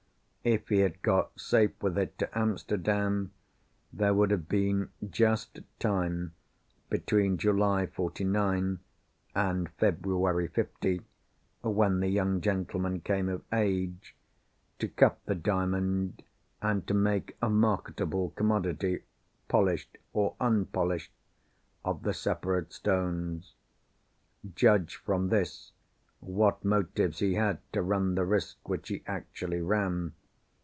If he had got safe with it to Amsterdam, there would have been just time between July 'forty nine, and February 'fifty (when the young gentleman came of age) to cut the Diamond, and to make a marketable commodity (polished or unpolished) of the separate stones. Judge from this, what motives he had to run the risk which he actually ran.